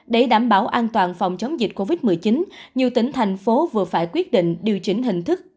để đảm bảo an toàn phòng chống dịch covid một mươi chín nhiều tỉnh thành phố vừa phải quyết định điều chỉnh hình thức